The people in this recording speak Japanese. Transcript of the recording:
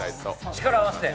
力合わせて。